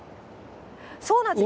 そうなんです。